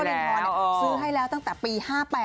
ซื้อให้แล้วตั้งแต่ปี๕๘